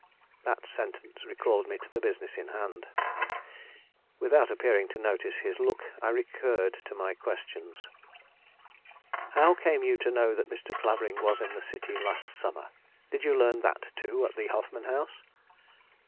That sentence recalled me to the business in hand. Without appearing to notice his look, I recurred to my questions. "How came you to know that Mr. Clavering was in this city last summer? Did you learn that, too, at the Hoffman House?"